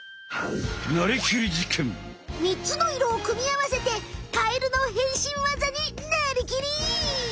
３つの色をくみあわせてカエルの変身技になりきり！